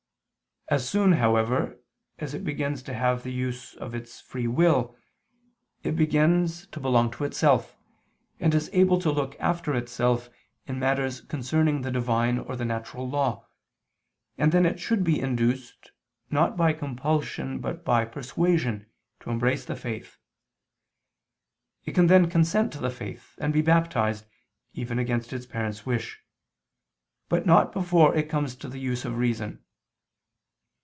As soon, however, as it begins to have the use of its free will, it begins to belong to itself, and is able to look after itself, in matters concerning the Divine or the natural law, and then it should be induced, not by compulsion but by persuasion, to embrace the faith: it can then consent to the faith, and be baptized, even against its parents' wish; but not before it comes to the use of reason.